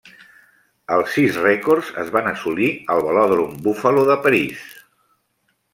Els sis rècords es van assolir al Velòdrom Buffalo de París.